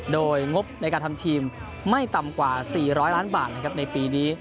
โดยงบในการทำทีมไม่ต่ำกว่า๔๐๐ล้านบาทนะครับในปีนี้